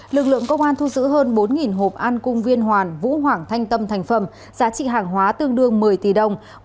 lực lượng công an thu giữ hơn bốn hộp an cung viên hoàn vũ hoảng thanh tâm thành phẩm giá trị hàng hóa tương đương một mươi tỷ đồng